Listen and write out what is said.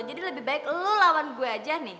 jadi lebih baik lo lawan gue aja nih